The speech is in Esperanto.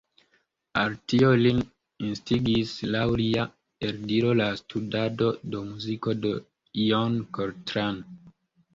Al tio lin instigis laŭ lia eldiro la studado de muziko de John Coltrane.